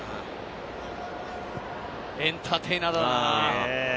エンターテイナーだな。